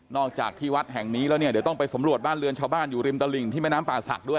จากที่วัดแห่งนี้แล้วเนี่ยเดี๋ยวต้องไปสำรวจบ้านเรือนชาวบ้านอยู่ริมตลิ่งที่แม่น้ำป่าศักดิ์ด้วย